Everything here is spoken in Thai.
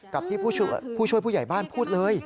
กับที่ผู้ช่วยผู้ใหญ่บ้านพูดเลย